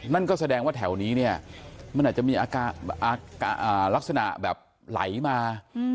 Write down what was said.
นั่นก็แสดงว่าแถวนี้เนี่ยมันอาจจะมีลักษณะแบบไหลมา